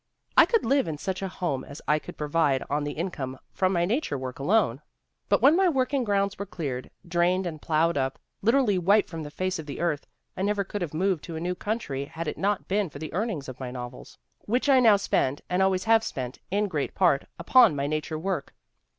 I could live in such a home as I could provide on the income from my nature work alone; but when my working grounds were cleared, drained GENE STRATTON PORTER 105 and plowed up, literally wiped from the face of the earth, I never could have moved to new country had it not been for the earnings of my novels, which I now spend, and always have spent, in great part, upon my nature work.